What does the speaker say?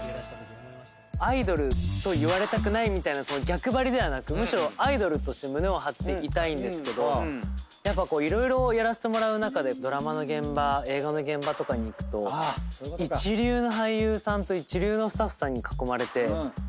アイドルと言われたくないみたいなその逆張りではなくむしろアイドルとして胸を張っていたいんですけどやっぱ色々やらせてもらう中でドラマの現場映画の現場とかに行くと一流の俳優さんと一流のスタッフさんに囲まれて。